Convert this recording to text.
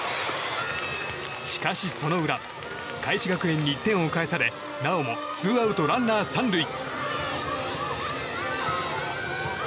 しかし、その裏開志学園に１点を返されなおもツーアウトランナー３塁。